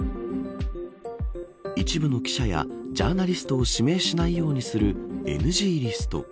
一部の記者やジャーナリストを指名しないようにするＮＧリスト。